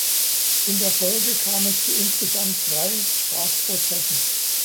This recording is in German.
In der Folge kam es zu insgesamt drei Strafprozessen.